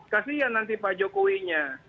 kasih ya nanti pak jokowinya